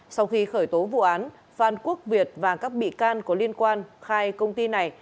sau khi khởi tố vụ án phan quốc việt và các bị can có liên quan khai công ty này